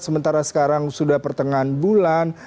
sementara sekarang sudah pertengahan bulan